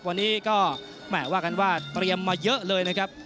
วันนี้ก็แหม่ว่ากันว่าเตรียมมาเยอะเลยนะครับ